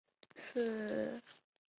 贵州可以指